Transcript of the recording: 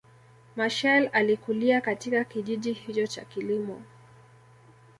Machel alikulia katika kijiji hicho cha kilimo